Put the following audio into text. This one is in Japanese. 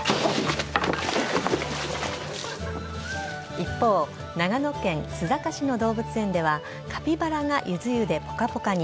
一方、長野県須坂市の動物園では、カピバラがゆず湯でぽかぽかに。